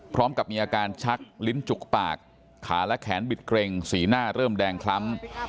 พร้อมกับมีอาการชักลิ้นจุกปากขาและแขนบิดเกร็งสีหน้าเริ่มแดงคล้ำ